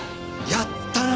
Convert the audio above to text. やったな！